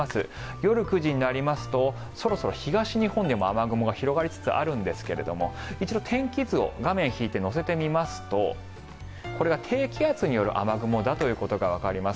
夜９時になりますとそろそろ東日本にも雨雲が広がりつつあるんですが一度、天気図を画面を引いて乗せてみますとこれが低気圧による雨雲だということがわかります。